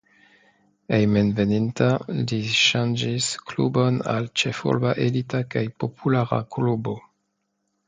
Hejmenveninta li ŝanĝis klubon al ĉefurba elita kaj populara klubo.